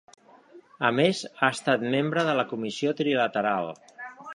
A més, ha estat membre de la Comissió Trilateral.